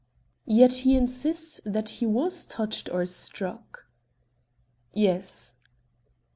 "Yet he insists that he was touched or struck." "Yes."